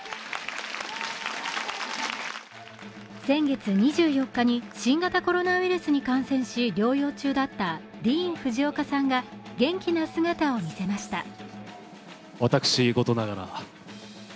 先月２４日に新型コロナウイルスに感染し、療養中だったディーン・フジオカさんが元気な姿を見せました。